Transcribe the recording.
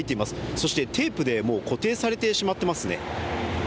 そしてテープで固定されてしまってますね。